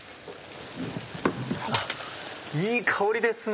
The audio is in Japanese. いい香りですね！